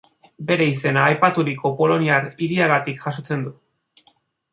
Bere izena aipaturiko poloniar hiriagatik jasotzen du.